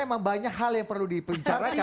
memang banyak hal yang perlu dipencarakan